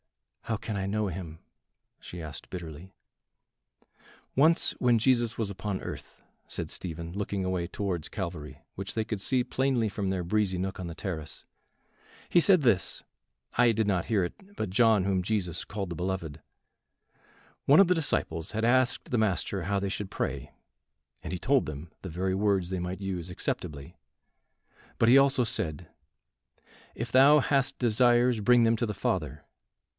"How can I know him?" she asked bitterly. "Once when Jesus was upon earth," said Stephen, looking away towards Calvary, which they could see plainly from their breezy nook on the terrace, "he said this I did not hear it but John, whom Jesus called the beloved; one of the disciples, had asked the Master how they should pray, and he told them the very words they might use acceptably; but he also said, If thou hast desires bring them to the Father.